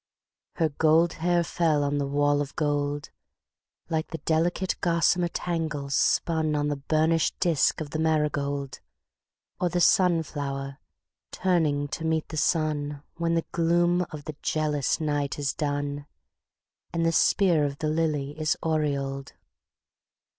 Her gold hair fell on the wall of goldLike the delicate gossamer tangles spunOn the burnished disk of the marigold, Or the sun flower turning to meet the sunWhen the gloom of the jealous night is done, And the spear of the lily is aureoled.